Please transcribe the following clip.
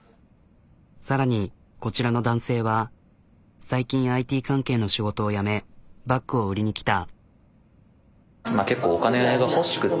さらにこちらの男性は最近ＩＴ関係の仕事を辞めバッグを売りにきた。